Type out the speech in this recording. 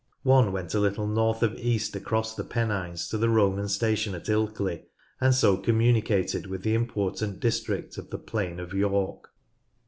One went a little north of east across the Pennines to the Roman station at Ilkley and so communi cated with the important district of the plain of York.